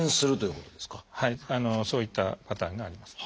そういったパターンがあります。